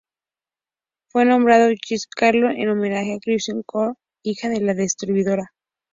Fue nombrado Christy Carol en homenaje a "Christine Carol Woodard" hija de la descubridora.